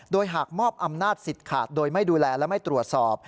โดยหากมอบอำนาจสิทธิ์ขาดโดยไม่ดูแลและไม่ตรวจสอบ